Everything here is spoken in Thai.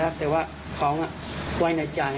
โปรคปิดประมาณนี้นแหละ